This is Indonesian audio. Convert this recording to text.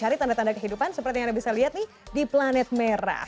cari tanda tanda kehidupan seperti yang anda bisa lihat nih di planet merah